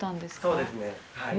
そうですね、はい。